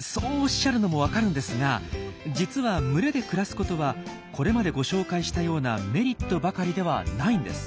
そうおっしゃるのも分かるんですが実は群れで暮らすことはこれまでご紹介したようなメリットばかりではないんです。